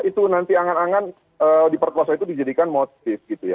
itu nanti angan angan diperkosa itu dijadikan motif gitu ya